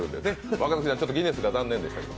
若槻さん、ギネスが残念でしたね。